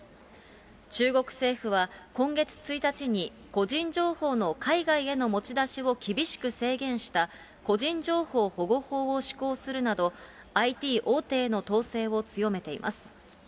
中国政府は、今月１日に個人情報の海外への持ち出しを厳しく制限した個人情報保護法を施行するなど、ＩＴ大手への統制を強めています。